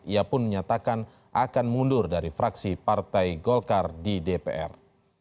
ia pun menyatakan akan mundur dari fraksi partai golkar di dpr